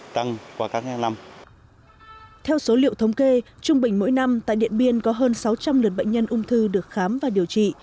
theo số liệu thống kê trung bình mỗi năm tại điện biên có hơn sáu trăm linh lượt bệnh nhân ung thư được khám và điều trị